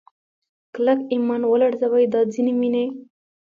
کلک ایمان ولړزوي دا ځینې مینې